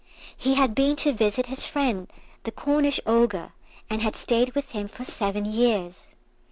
He had been to visit his friend the Cornish ogre, and had stayed with him for seven years.